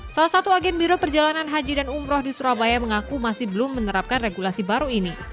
salah satu agen biro perjalanan haji dan umroh di surabaya mengaku masih belum menerapkan regulasi baru ini